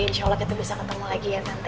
insya allah kita bisa ketemu lagi ya kan